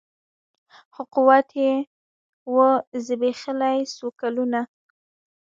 خو قوت یې وو زبېښلی څو کلونو